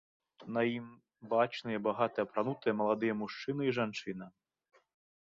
На ім бачныя багата апранутыя маладыя мужчына і жанчына.